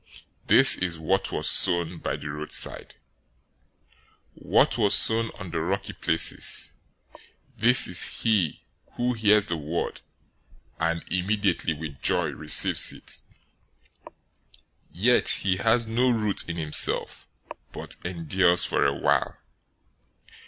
This is what was sown by the roadside. 013:020 What was sown on the rocky places, this is he who hears the word, and immediately with joy receives it; 013:021 yet he has no root in himself, but endures for a while.